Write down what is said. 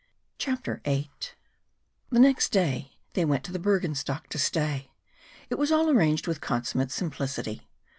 CHAPTER VIII Next day they went to the Bürgenstock to stay. It was all arranged with consummate simplicity.